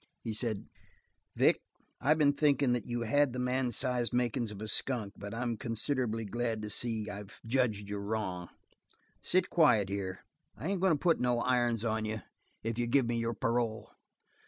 He said: "Vic, I been thinkin' that you had the man sized makin's of a skunk, but I'm considerable glad to see I've judged you wrong. Sit quiet here. I ain't goin' to put no irons on you if you give me your parole."